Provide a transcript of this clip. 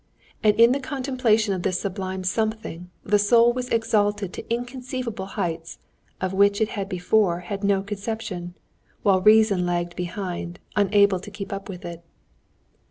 And in the contemplation of this sublime something the soul was exalted to inconceivable heights of which it had before had no conception, while reason lagged behind, unable to keep up with it.